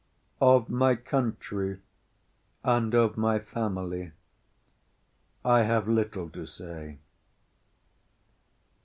Of my country and of my family I have little to say.